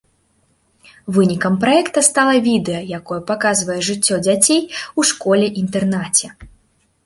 Вынікам праекта стала відэа, якое паказвае жыццё дзяцей у школе-інтэрнаце.